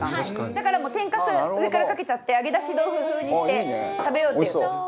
だからもう天かす上からかけちゃって揚げ出し豆腐風にして食べようっていう。